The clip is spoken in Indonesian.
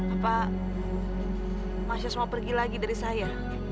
apa mas yos mau pergi lagi dari saya